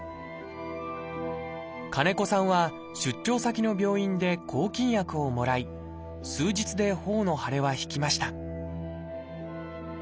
金子さんは出張先の病院で抗菌薬をもらい数日で頬の腫れは引きました